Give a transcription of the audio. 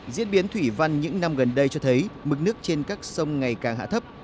diễn biến thủy văn những năm gần đây cho thấy mực nước trên các sông ngày càng hạ thấp